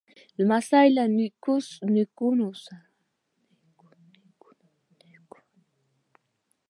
لمسی له نیکو دوستانو سره وده کوي.